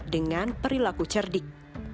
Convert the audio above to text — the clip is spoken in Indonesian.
dengan perilaku cerdik